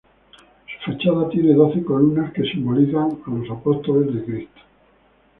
Su fachada tiene doce columnas que simbolizan a los apóstoles de Cristo.